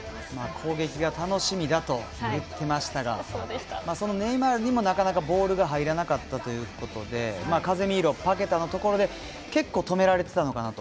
攻撃が楽しみだと言っていましたがネイマールにもなかなかボールが入ってこなかったということでカゼミーロ、パケタのところで結構、止められていたのかなと。